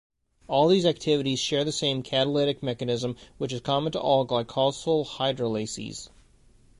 All these activities share the same catalytic mechanism which is common to all glycosyl-hydrolases.